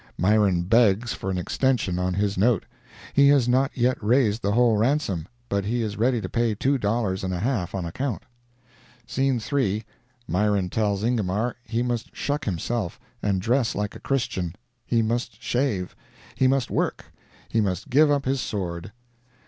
Myron begs for an extension on his note—he has not yet raised the whole ransom, but he is ready to pay two dollars and a half on account. Scene 3.—Myron tells Ingomar he must shuck himself, and dress like a Christian; he must shave; he must work; he must give up his sword!